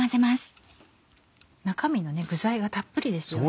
中身の具材がたっぷりですよね。